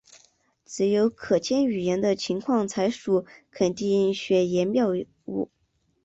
只有可兼选言的情况才属肯定选言谬误。